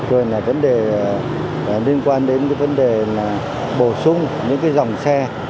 rồi là vấn đề liên quan đến cái vấn đề là bổ sung những cái dòng xe